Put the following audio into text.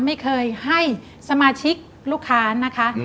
ไม่เคยให้สมาชิกลูกค้านะคะ